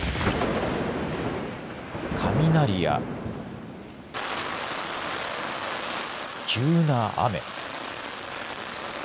雷や、急な雨。